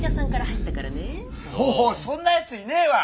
おいそんなやついねぇわ。